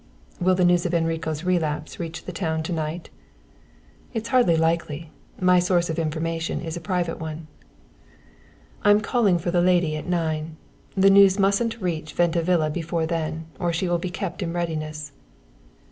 "Will the news of Enrico's relapse reach the town to night?" "It's hardly likely my source of information is a private one." "I'm calling for the lady at nine. The news mustn't reach Venta Villa before then, or she will be kept in readiness."